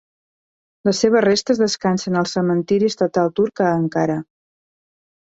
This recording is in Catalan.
Les seves restes descansen al Cementiri estatal turc a Ankara.